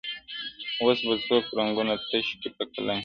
اوس به څوك رنګونه تش كي په قلم كي!